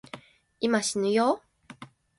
今、しぬよぉ